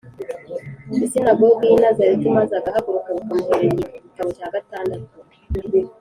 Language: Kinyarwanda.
isinagogi y i Nazareti maze agahaguruka bakamuhereza igitabo cya gatandatu